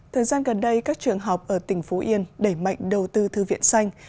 thời gian gần đây các trường học ở tỉnh phú yên đẩy mạnh đầu tư thư viện xanh